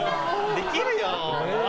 できるよ！